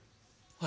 はい？